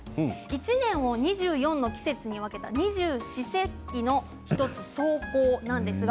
一年を２４の季節に分けた二十四節気の１つ霜降です。